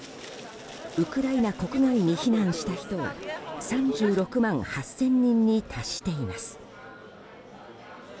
ウクライナ国外に避難した人は３６万８０００人に達しています。